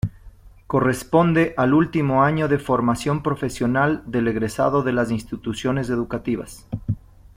Corresponde al último año de formación profesional del egresado de las instituciones educativas.